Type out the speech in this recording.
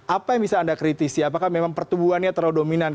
apa yang bisa anda kritisi apakah memang pertumbuhannya terlalu dominan